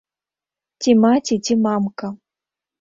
Ці маці, ці мамка.